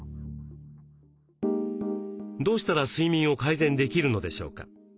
どうしたら睡眠を改善できるのでしょうか？